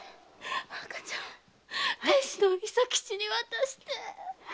赤ちゃんを亭主の伊佐吉に渡して！